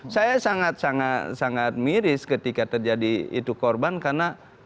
saya sangat sangat miris ketika terjadi itu korban karena